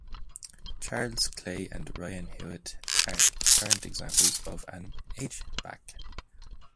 Charles Clay and Ryan Hewitt are current examples of an H-back.